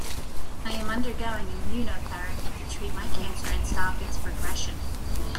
I am undergoing immunotherapy to treat my cancer and stop its progression.